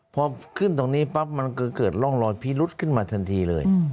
พอเกิดล้องรอนพลิรุธขึ้นมาทันทีเลย